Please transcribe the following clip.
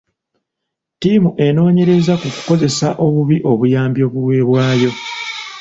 Ttiimu enoonyereza ku kukozesa obubi obuyambi obwaweebwayo.